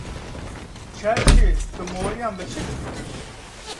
Çerçî tu moriyan bi çi didî?